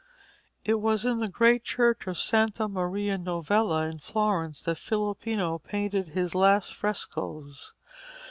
It was in the great church of Santa Maria Novella in Florence that Filippino painted his last frescoes.